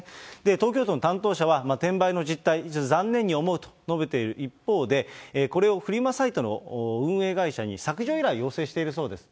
東京都の担当者は、転売の実態、残念に思うと述べている一方で、これをフリマサイトの運営会社に削除依頼を要請しているそうです。